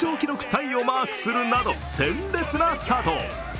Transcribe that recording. タイをマークするなど鮮烈なスタート。